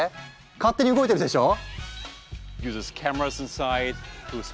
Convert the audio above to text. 勝手に動いてるでしょ？